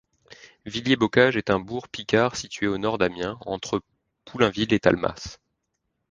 Villers-Bocage est un bourg picard situé au nord d'Amiens, entre Poulainville et Talmas.